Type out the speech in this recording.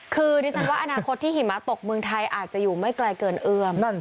คือดิฉันว่าอนาคตที่หิมะตกเมืองไทยอาจจะอยู่ไม่ไกลเกินเอื้อม